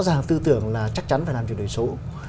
rõ ràng tư tưởng là chắc chắn phải làm chuyển đổi số